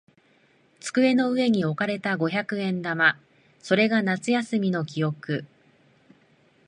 机の上に置かれた五百円玉。それが夏休みの記憶。